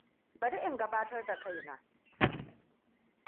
Bari in gabatar da kaina.